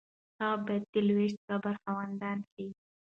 هغه باید د لویشت قبر خاوند شي.